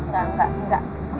gak gak gak